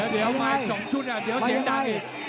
เดี๋ยวมาอีก๒ชุดเดี๋ยวเสียงดังอีก